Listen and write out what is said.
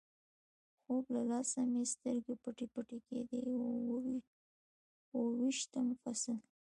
د خوب له لاسه مې سترګې پټې پټې کېدې، اوه ویشتم فصل.